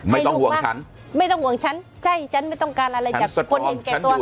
ไม่ต้องห่วงฉันไม่ต้องห่วงฉันใช่ฉันไม่ต้องการอะไรจากคนอื่นแก่ตัว